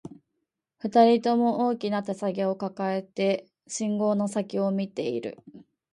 二人とも、大きな手提げを抱えて、信号の先を見ている